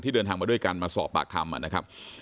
เดินทางมาด้วยกันมาสอบปากคำนะครับ